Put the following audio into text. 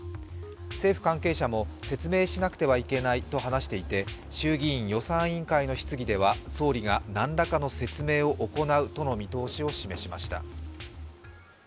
政府関係者も、説明しなくてはいけないと話していて衆議院・予算委員会の質疑では総理がなんらかの説明を行うとの見通しを示しました。